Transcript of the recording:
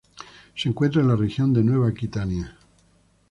Se encuentra en la región de Nueva Aquitania.